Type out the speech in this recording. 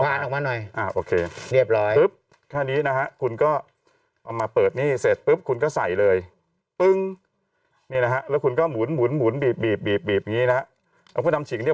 หมุนนะอ่ะอ่ะโอเคเนี้ยอ่ะเรียบร้อยเสร็จแล้วคุณก็เอาเนี้ย